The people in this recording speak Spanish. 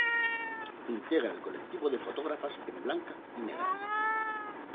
Integra el Colectivo de Fotógrafas En Blanca y Negra.